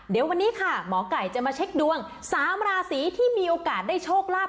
เดี๋ยววันนี้ค่ะหมอไก่จะมาเช็คดวง๓ราศีที่มีโอกาสได้โชคลาภ